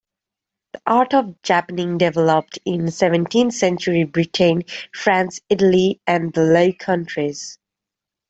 The art of japanning developed in seventeenth-century Britain, France, Italy, and the Low Countries.